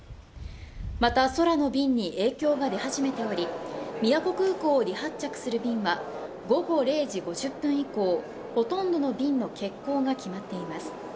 また空の便に影響が出始めており、宮古空港を離発着する便は午後０時５０分以降ほとんどの便の欠航が決まっています。